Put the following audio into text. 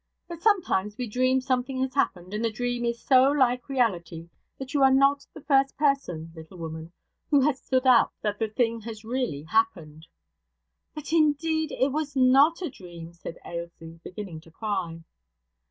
But sometimes we dream something has happened, and the dream is so like reality, that you are not the first person, little woman, who has stood out that the thing has really happened.' 'But, indeed, it was not a dream!' said Ailsie, beginning to cry.